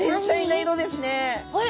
あれ？